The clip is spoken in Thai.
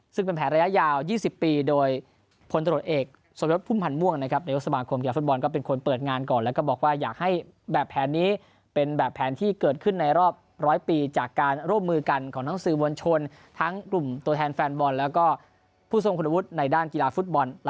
ซึ่งเป็นแผนระยะยาว๒๐ปีโดยพลตรวจเอกสมยศพุ่มพันธ์ม่วงนะครับนายกสมาคมกีฬาฟุตบอลก็เป็นคนเปิดงานก่อนแล้วก็บอกว่าอยากให้แบบแผนนี้เป็นแบบแผนที่เกิดขึ้นในรอบร้อยปีจากการร่วมมือกันของทั้งสื่อมวลชนทั้งกลุ่มตัวแทนแฟนบอลแล้วก็ผู้ทรงคุณวุฒิในด้านกีฬาฟุตบอล